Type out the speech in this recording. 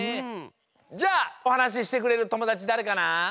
じゃあおはなししてくれるともだちだれかな？